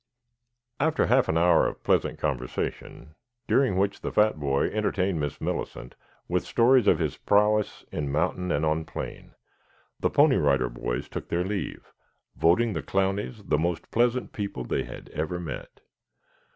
After half an hour of pleasant conversation, during which the fat boy entertained Miss Millicent with stories of his prowess in mountain and on plain, the Pony Rider Boys took their leave, voting the Clowneys the most pleasant people they had ever met.